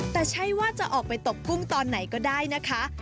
แต่ใช่ว่าจะออกไปตกกุ้งตอนไหนก็ได้นะคะ